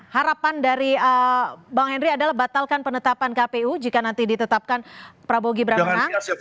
harapan dari bang henry adalah batalkan penetapan kpu jika nanti ditetapkan prabowo gibran menang